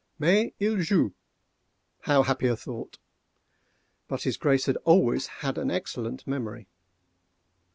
Mais il joue!—how happy a thought!—but his Grace had always an excellent memory.